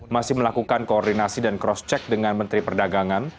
masih melakukan koordinasi dan cross check dengan menteri perdagangan